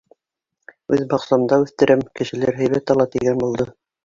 — Үҙ баҡсамда үҫтерәм, кешеләр һәйбәт ала, — тигән булды.